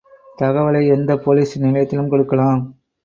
தகவலை எந்தப் போலிஸ் நிலையத்திலும் கொடுக்கலாம்.